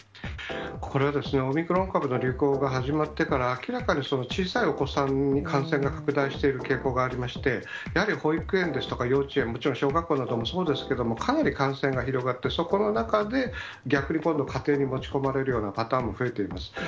これはオミクロン株の流行が始まってから、明らかに小さいお子さんに感染が拡大している傾向がありまして、やはり保育園ですとか幼稚園、もちろん小学校などもそうですけども、かなり感染が広がって、そこの中で、逆に今度、家庭に持ち込まれるようなパターンも増えています。